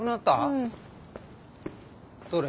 うん。どれ？